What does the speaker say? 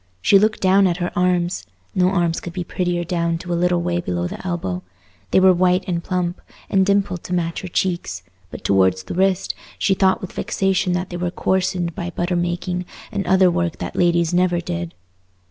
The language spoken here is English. She looked down at her arms: no arms could be prettier down to a little way below the elbow—they were white and plump, and dimpled to match her cheeks; but towards the wrist, she thought with vexation that they were coarsened by butter making and other work that ladies never did.